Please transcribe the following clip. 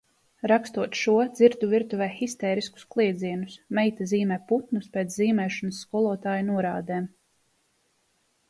Rakstot šo, dzirdu virtuvē histēriskus kliedzienus. Meita zīmē putnus pēc zīmēšanas skolotāja norādēm.